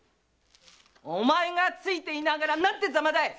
お前がついていながら何てザマだい！